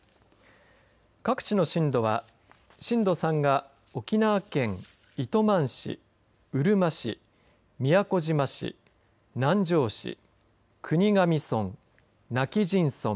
各地の震度は震度３が沖縄県糸満市うるま市、宮古島市南城市、国頭村今帰仁村